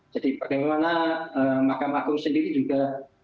jadi bagaimana makam agung sendiri juga